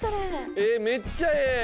めっちゃええ。